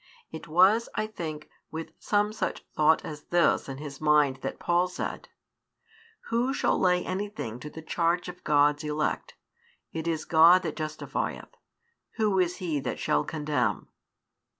It was, I think, with some such thought as this in his mind that Paul said: Who shall lay anything to the charge of God's elect? It is God that justifieth; who is he that shall condemn?